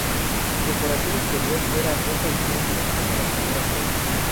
Su decoración exterior era roja y blanca como la primera serie.